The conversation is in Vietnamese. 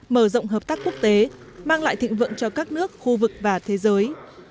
mở rộng hợp tác quốc tế mang lại thịnh vượng cho các nước khu vực và thế giới